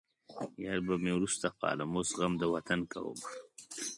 يار به مې وروسته پالم اوس غم د وطن کومه